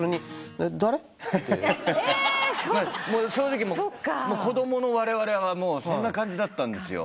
正直子供のわれわれはそんな感じだったんですよ。